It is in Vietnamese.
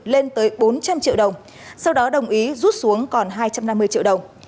lên tới bốn trăm linh triệu đồng sau đó đồng ý rút xuống còn hai trăm năm mươi triệu đồng